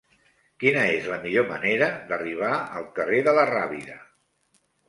Quina és la millor manera d'arribar al carrer de la Rábida?